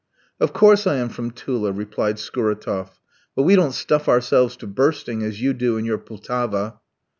"Of course I am from Tula," replied Scuratoff; "but we don't stuff ourselves to bursting as you do in your Pultava."